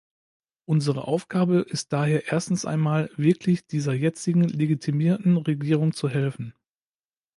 Unsere Aufgabe ist daher erstens einmal, wirklich dieser jetzigen legitimierten Regierung zu helfen.